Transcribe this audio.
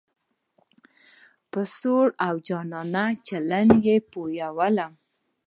په سوړ او جانانه چلن یې پوهولم.